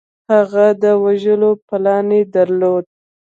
هغه د وژلو پلان یې درلود